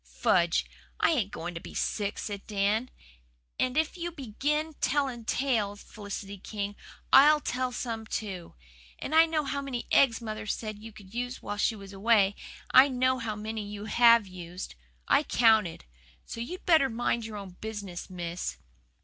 "Fudge! I ain't going to be sick," said Dan. "And if YOU begin telling tales, Felicity King, I'LL tell some too. I know how many eggs mother said you could use while she was away and I know how many you HAVE used. I counted. So you'd better mind your own business, Miss."